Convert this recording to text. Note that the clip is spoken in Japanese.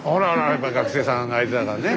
やっぱ学生さんが相手だからね。